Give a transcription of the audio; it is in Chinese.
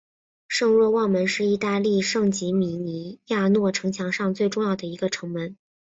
圣若望门是意大利圣吉米尼亚诺城墙上最重要的一个城门。